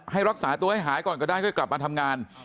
รักษาตัวให้หายก่อนก็ได้ค่อยกลับมาทำงาน